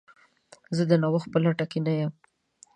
زه د نوښت په لټه کې نه یم.